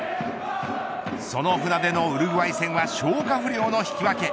その船出のウルグアイ戦は消化不良の引き分け。